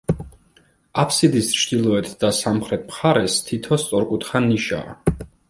აბსიდის ჩრდილოეთ და სამხრეთ მხარეს თითო სწორკუთხა ნიშაა.